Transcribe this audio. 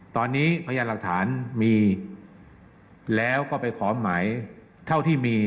ตอนนี้พยานหลักฐานมีแล้วก็ไปขอหมายเท่าที่มี